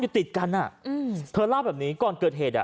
ติดติดกันอ่ะอืมเธอเล่าแบบนี้ก่อนเกิดเหตุอ่ะ